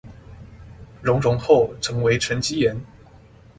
熔融後成為沈積岩